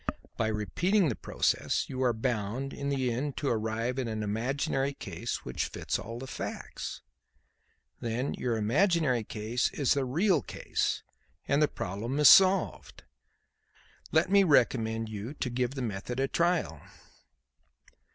By repeating the process, you are bound, in the end, to arrive at an imaginary case which fits all the facts. Then your imaginary case is the real case and the problem is solved. Let me recommend you to give the method a trial."